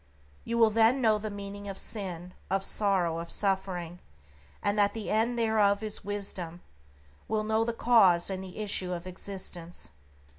You will then know the meaning of Sin, of Sorrow, of Suffering, and that the end thereof is Wisdom; will know the cause and the issue of existence.